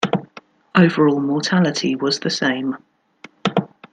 Overall mortality was the same.